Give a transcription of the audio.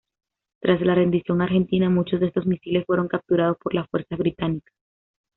Tras la rendición argentina muchos de estos misiles fueron capturados por las fuerzas británicas.